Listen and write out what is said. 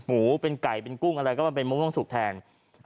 หมูเป็นไก่เป็นกุ้งอะไรก็มันเป็นมะม่วงสุกแทน